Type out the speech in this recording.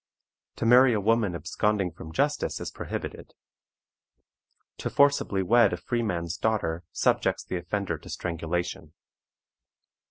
To marry a woman absconding from justice is prohibited. To forcibly wed a freeman's daughter subjects the offender to strangulation.